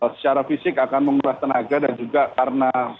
secara fisik akan mengubah tenaga dan juga karena